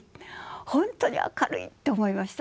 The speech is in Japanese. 本当に明るいって思いました。